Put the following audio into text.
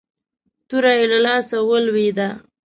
توره يې له لاسه ولوېده.